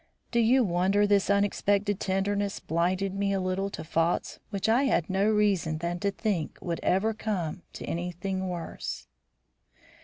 Do you wonder this unexpected tenderness blinded me a little to faults which I had no reason then to think would ever develop into anything worse?"